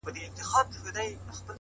ترڅو له ماڅخه ته هېره سې ـ